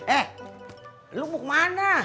eh lu mau kemana